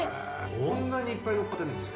こんなにいっぱいのっかってるんですよ。